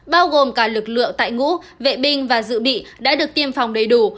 bao gồm cả lực lượng tại ngũ vệ binh và dự bị đã được tiêm phòng đầy đủ